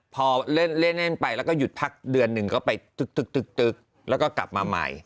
พอเล่นไปแล้วก็หยุดพักเดือนหนึ่งก็ไปตึกแล้วก็กลับมาใหม่